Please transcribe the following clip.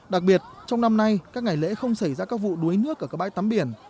đặc biệt trong năm nay các ngày lễ không xảy ra các vụ đuối nước ở các bãi tắm biển